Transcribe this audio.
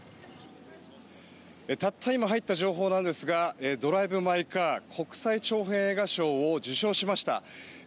たった今入った情報なんですが「ドライブ・マイ・カー」国際長編映画賞を受賞しました。